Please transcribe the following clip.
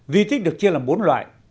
di tích được chia làm bốn loại